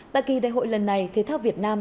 tại kỳ đại hội lần này thể thao việt nam